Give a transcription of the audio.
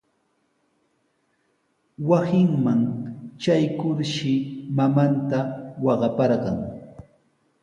Wasinman traykurshi mamanta waqaparqan.